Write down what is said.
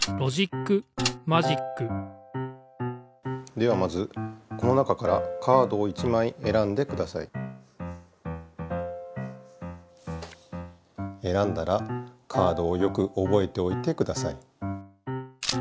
ではまずこの中からカードを１枚えらんでください。えらんだらカードをよくおぼえておいてください。